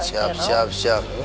siap siap siap